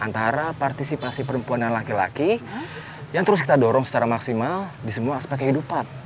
antara partisipasi perempuan dan laki laki yang terus kita dorong secara maksimal di semua aspek kehidupan